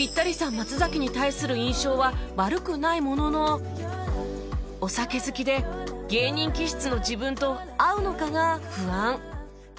松崎に対する印象は悪くないもののお酒好きで芸人気質の自分と合うのかが不安